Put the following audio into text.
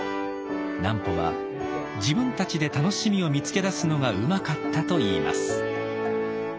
南畝は自分たちで楽しみを見つけ出すのがうまかったといいます。